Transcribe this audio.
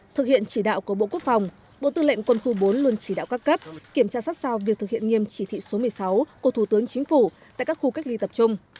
thực hiện chỉ đạo của bộ quốc phòng bộ tư lệnh quân khu bốn luôn chỉ đạo các cấp kiểm tra sát sao việc thực hiện nghiêm chỉ thị số một mươi sáu của thủ tướng chính phủ tại các khu cách ly tập trung